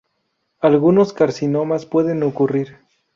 Algunos carcinomas pueden ocurrir.